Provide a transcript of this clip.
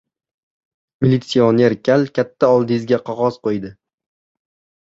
Militsioner kal katta oldiga qog‘oz qo‘ydi.